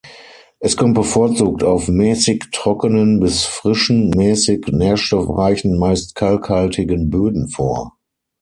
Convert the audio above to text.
Es kommt bevorzugt auf mäßig trockenen bis frischen, mäßig nährstoffreichen, meist kalkhaltigen Böden vor.